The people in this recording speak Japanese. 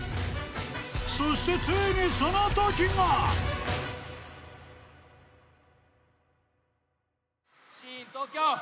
［そしてついにそのときが］シーン東京。